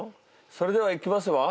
それではいきますわ。